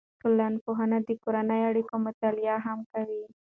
ټولنپوهنه د کورنیو اړیکو مطالعه هم کوي.